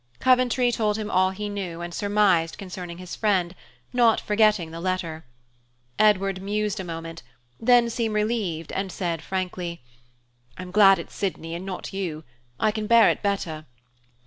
Coventry told him all he knew and surmised concerning his friend, not forgetting the letter. Edward mused a moment, then seemed relieved, and said frankly, "I'm glad it's Sydney and not you. I can bear it better."